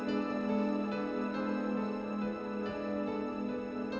periksa pukul lima di sini tadi ya